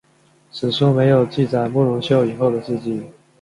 史书没有记载慕容秀以后的事迹。